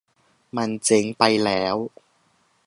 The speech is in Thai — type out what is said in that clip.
มันเจ๊งไปแล้ว